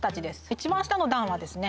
一番下の段はですね